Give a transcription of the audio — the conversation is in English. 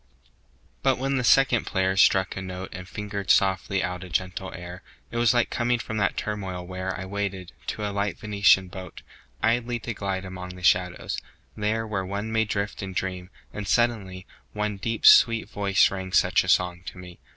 II. But when the second player struck a note And fingered softly out a gentle air It was like coming from that turmoil where I waited, to a light Venetian boat, Idly to glide among the shadows, there Where one may drift and dream; and suddenly One deep sweet voice sang such a song to me.